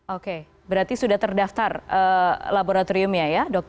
oke berarti sudah terdaftar laboratoriumnya ya dok